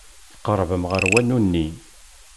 Tqerrbem ɣer wanu-nni.